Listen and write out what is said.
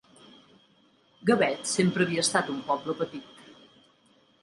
Gavet sempre havia estat un poble petit.